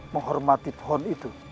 menghormati pohon itu